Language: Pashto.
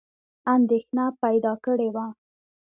اندېښنه پیدا کړې وه.